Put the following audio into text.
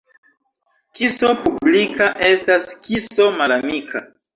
Kiso publika estas kiso malamika.